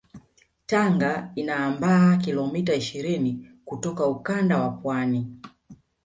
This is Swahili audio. Tanga inaambaa kilomita ishirini kutoka ukanda wa pwani